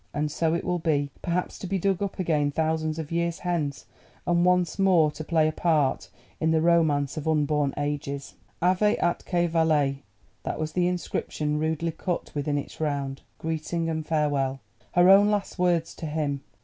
And so it will be, perhaps to be dug up again thousands of years hence, and once more to play a part in the romance of unborn ages. Ave atque vale—that was the inscription rudely cut within its round. Greeting and farewell—her own last words to him.